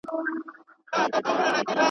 نه یې وېره له انسان وه نه له خدایه!